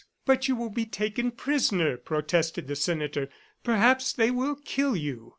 "But you will be taken prisoner!" protested the senator. "Perhaps they will kill you!"